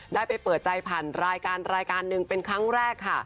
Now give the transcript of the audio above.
ได้ไปเปิดใจผ่านรายการรายการหนึ่งเป็นครั้งแรกค่ะ